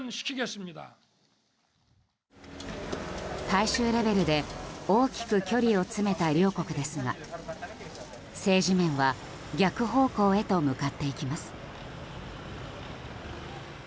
大衆レベルで大きく距離を詰めた両国ですが政治面は逆方向へと向かっていきます。